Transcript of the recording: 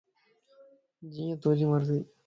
جيئي توجي مرضي